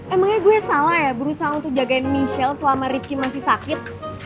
emangnya gue salah ya berusaha untuk jagain michelle selama rivki masih sakit